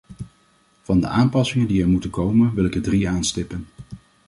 Van de aanpassingen die er moeten komen, wil ik er drie aanstippen.